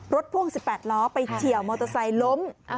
พ่วง๑๘ล้อไปเฉียวมอเตอร์ไซค์ล้ม